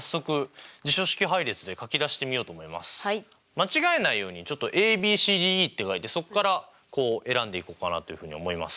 間違えないようにＡＢＣＤＥって書いてそこからこう選んでいこうかなというふうに思います。